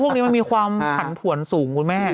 พวกนี้มันมีความผันผวนสูงคุณแม่